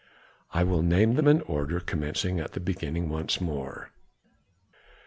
I will name them in order, commencing at the beginning once more.